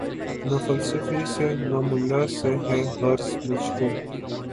نہ فلسفی سے نہ ملا سے ہے غرض مجھ کو